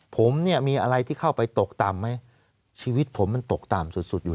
ผมเนี่ยมีอะไรที่เข้าไปตกต่ำไหมชีวิตผมมันตกต่ำสุดสุดอยู่